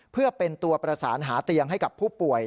เพื่อเป็นตัวประสานหาเตียงให้กับผู้ป่วย